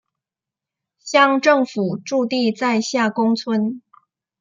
乡政府驻地在下宫村。